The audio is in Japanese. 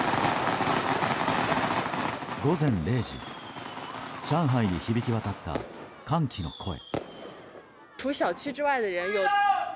午前０時、上海に響き渡った歓喜の声。